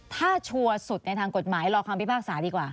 ถ้าชัวร์สุดในทางกฎหมายรอคำพิพากษาดีกว่า